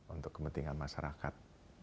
untuk kepentingan masyarakat